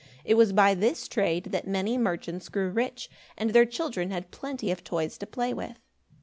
It was by this trade that many merchants grew rich, and their children had plenty of toys to play with.